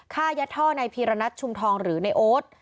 ฆ่ายัดท่อในพีรณัชชุมทองหรือในโอ๊ต